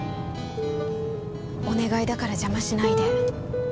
お願いだから邪魔しないで。